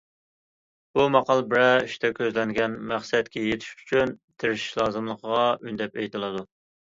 بۇ ماقال بىرەر ئىشتا، كۆزلەنگەن مەقسەتكە يېتىش ئۈچۈن، تىرىشىش لازىملىقىغا ئۈندەپ ئېيتىلىدۇ.